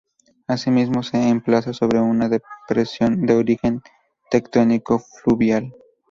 Asimismo se emplaza sobre una depresión de origen tectónico-fluvial.